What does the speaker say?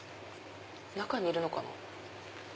中にいるのかな？